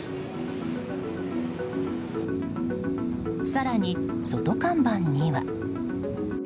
更に、外看板には。